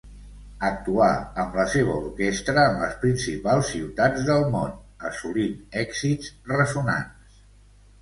Actuà amb la seva orquestra en les principals ciutats del món assolint èxits ressonants.